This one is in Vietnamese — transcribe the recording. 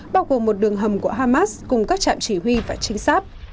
bao gồm một đường hầm của hamas cùng các trạm chỉ huy và chính xác